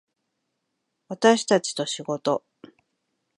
私たちと仕事